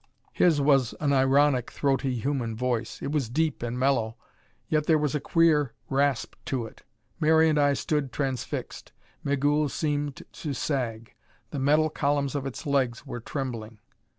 His was an ironic, throaty human voice! It was deep and mellow, yet there was a queer rasp to it. Mary and I stood transfixed. Migul seemed to sag. The metal columns of its legs were trembling.